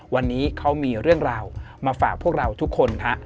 วันนี้เขามีเรื่องราวมาฝากพวกเราทุกคนฮะ